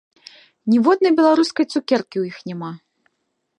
Ніводнай беларускай цукеркі ў іх няма!